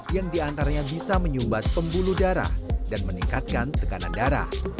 yang diantaranya bisa menyumbat pembuluh darah dan meningkatkan tekanan darah